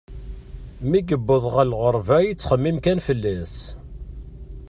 Mi yuweḍ ɣer lɣerba, yettxemmim kan fell-as.